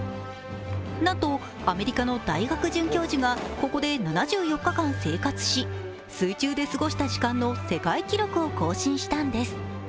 なんとアメリカの大学准教授がここで７４日間生活し、水中で過ごした時間の世界記録を更新したんです。